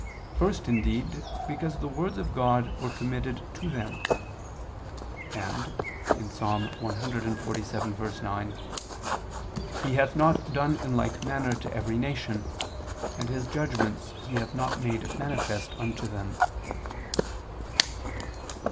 First indeed, because the words of God were committed to them": and (Ps. 147:9): "He hath not done in like manner to every nation: and His judgments He hath not made manifest unto them."